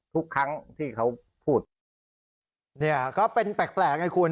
ทุกครั้งที่เขาพูดเนี่ยก็เป็นแปลกไงคุณ